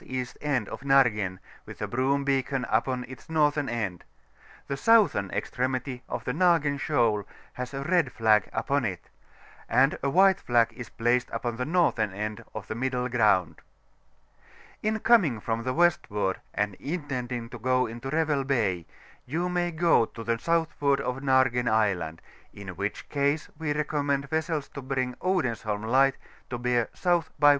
E. end of Nargen, witib a broom beacon upon its northern end. The southern extremity of the Nargen Shoal has a red flag upon it; and a white flag is placed upon the northern end of the Middle Grownd, In coming from the westward^ and intending to go into Revel Bay, you may eo to the southward of Nargen Island; in which cajse we recommend vessels to bring Odensholm Light to bear S. by W.